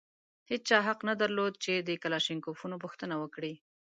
هېچا حق نه درلود چې د کلاشینکوفونو پوښتنه وکړي.